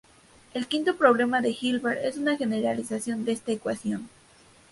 El quinto problema de Hilbert es una generalización de esta ecuación.